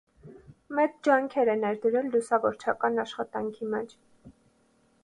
Մեծ ջանքեր է ներդրել լուսավորչական աշխատանքի մեջ։